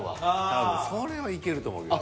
多分それはいけると思うけど。